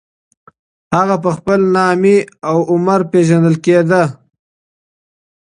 هغه په خپل نامې او عمر پېژندل کېدی.